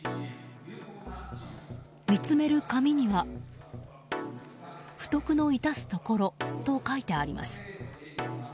見つめる紙には不徳の致すところと書いてあります。